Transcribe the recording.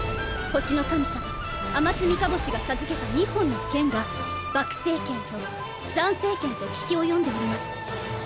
星の神様天津甕星が授けた２本の剣が「爆星剣」と「斬星剣」と聞き及んでおります。